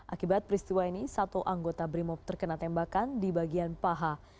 akibat peristiwa ini satu anggota brimob terkena tembakan di bagian paha